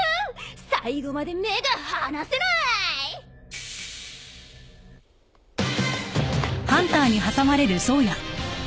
最後まで目が離せない！あっ！